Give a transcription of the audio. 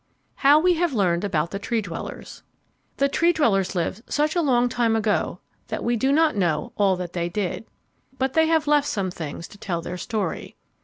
How We Have Learned About the Tree dwellers The Tree dwellers lived such a long time ago that we do not know all that they did. But they have left some things to tell their story.